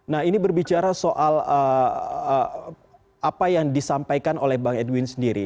nah ini berbicara soal apa yang disampaikan oleh bang edwin sendiri